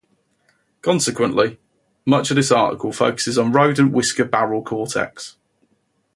Consequently, much of this article focuses on rodent whisker barrel cortex.